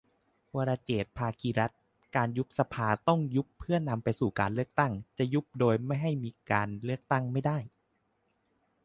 วรเจตน์ ภาคีรัตน์ : การยุบสภาต้องยุบเพื่อนำไปสู่การเลือกตั้ง จะยุบโดยไม่ให้มีเลือกตั้งไม่ได้